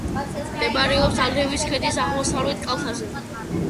მდებარეობს ალევის ქედის აღმოსავლეთ კალთაზე.